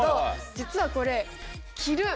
実はこれ。